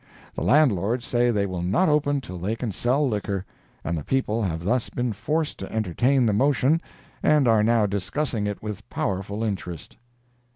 The landlords say they will not open till they can sell liquor, and the people have thus been forced to entertain the motion, and are now discussing it with powerful interest.